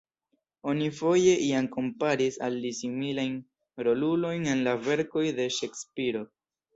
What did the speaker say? Oni foje jam komparis al li similajn rolulojn en la verkoj de Ŝekspiro.